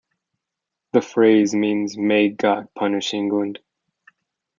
The phrase means "May God punish England".